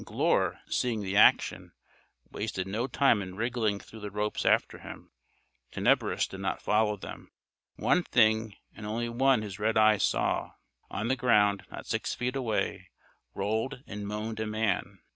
Glure, seeing the action, wasted no time in wriggling through the ropes after him. Tenebris did not follow them. One thing and only one his red eyes saw: On the ground, not six feet away, rolled and moaned a man.